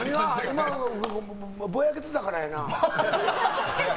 今ぼやけてたからやな。